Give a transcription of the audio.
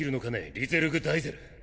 リゼルグ・ダイゼル。